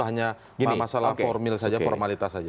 hanya masalah formil saja formalitas saja